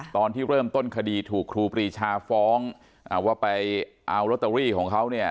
ตอนที่เริ่มต้นคดีถูกครูปรีชาฟ้องว่าไปเอาลอตเตอรี่ของเขาเนี่ย